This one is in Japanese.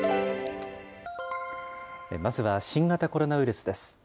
まずは新型コロナウイルスです。